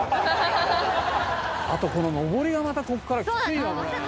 あとこの上りがまたここからきついわこれ。